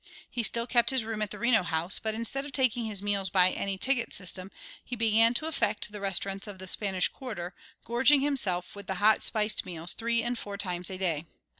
He still kept his room at the Reno House, but instead of taking his meals by any ticket system, he began to affect the restaurants of the Spanish quarter, gorging himself with the hot spiced meals three and four times a day.